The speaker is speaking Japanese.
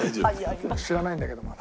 知らないんだけどまだ。